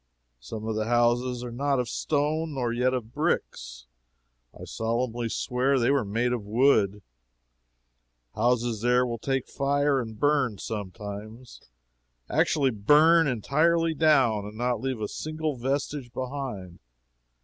Some of the houses are not of stone, nor yet of bricks; I solemnly swear they are made of wood. Houses there will take fire and burn, sometimes actually burn entirely down, and not leave a single vestige behind.